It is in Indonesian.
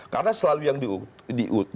karena selalu yang diutuhkan